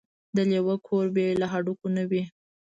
د لېوه کور بې له هډوکو نه وي.